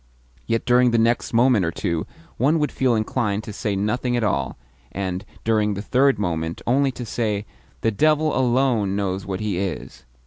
yet during the next moment or two one would feel inclined to say nothing at all, and, during the third moment, only to say, "The devil alone knows what he is!"